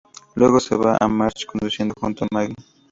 Luego se ve a Marge conduciendo junto a Maggie.